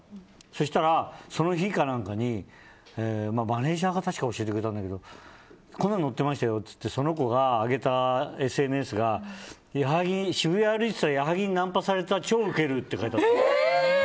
そしたら、その日かなんかにマネージャーが確か教えてくれたんだけどこんなのが載ってましたよってその子が上げたＳＮＳが、渋谷歩いてたら矢作にナンパされた超ウケるって書いてあって。